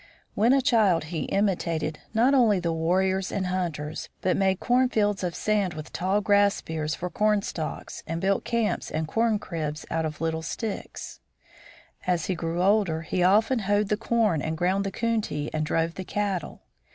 When a child, he imitated not only the warriors and hunters, but made cornfields of sand with tall grass spears for cornstalks, and built "camps" and corncribs out of little sticks. [Illustration: FISHING WITH A SPEAR] As he grew older he often hoed the corn and ground the koontee and drove the cattle.